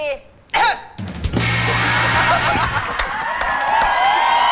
อีกที